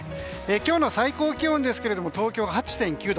今日の最高気温ですけれども東京が８．９度。